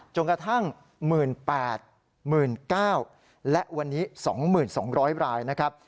จนกระทั่ง๑๘๙๐๐และวันนี้๒๒๐๐รายนะครับ